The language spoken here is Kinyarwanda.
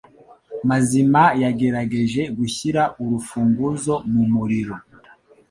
Mazima yagerageje gushyira urufunguzo mumuriro.